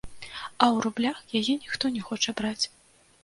А ў рублях яе ніхто не хоча браць.